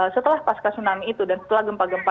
setelah pasca tsunami itu dan setelah gempa gempa